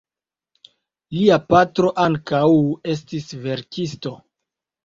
Lia patro ankaŭ estis verkisto.